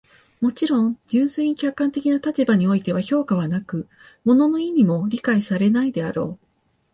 もちろん、純粋に客観的な立場においては評価はなく、物の意味も理解されないであろう。